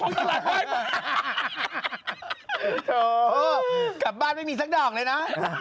โอ้โหกลับบ้านไม่มีสักดอกเลยนะ